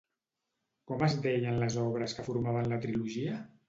Com es deien les obres que formaven la trilogia?